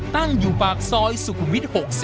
ตั้งอยู่ปากซอยสุขุมวิทย์๖๐